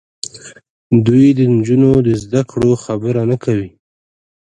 دوی د نجونو د زدهکړو خبره نه کوي.